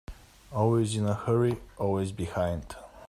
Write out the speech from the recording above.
Always in a hurry, always behind.